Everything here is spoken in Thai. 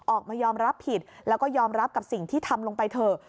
ออกมายอมรับผิดแล้วก็ยอมรับกับสิ่งที่ทำลงไปเถอะ